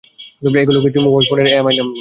এগুলো কিছু মোবাইল ফোনের আইএমইআই নম্বর।